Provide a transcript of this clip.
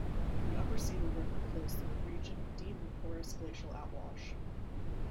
The upper Cedar River flows through a region of deep and porous glacial outwash.